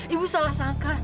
ibu salah sangka